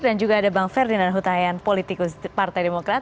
dan juga ada bang ferdinand hutayan politikus partai demokrat